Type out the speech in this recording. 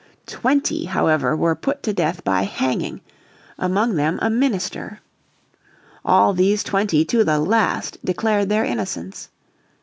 Twenty, however, were put to death by hanging, among them a minister. All these twenty to the last declared their innocence.